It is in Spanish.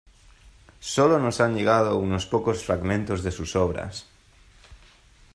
Sólo nos han llegado unos pocos fragmentos de sus obras.